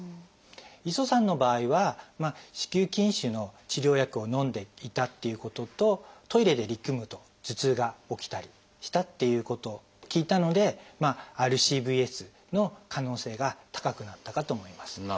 磯さんの場合は子宮筋腫の治療薬をのんでいたっていうこととトイレで力むと頭痛が起きたりしたっていうことを聞いたのでＲＣＶＳの可能性が高くなったかと思います。